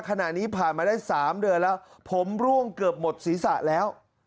ขณะนี้ผ่านมาได้๓เดือนแล้วผมร่วงเกือบหมดศีรษะแล้ว